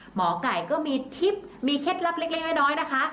หมอก่ายก็มีทริปเคล็ดลับเล็กน้อยนะคะ